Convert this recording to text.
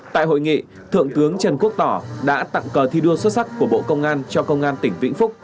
tại hội nghị thượng tướng trần quốc tỏ đã tặng cờ thi đua xuất sắc của bộ công an cho công an tỉnh vĩnh phúc